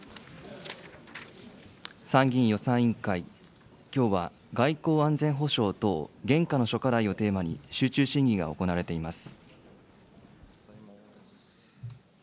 参議院予算委員会、きょうは外交・安全保障等現下の諸課題をテーマに、集中審議が行われています。